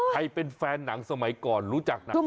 ใครเป็นแฟนหนังสมัยก่อนรู้จักหนัง